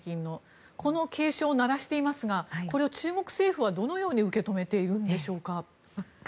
この警鐘を鳴らしていますがこれを中国政府はどのように受け止めているんでしょうか。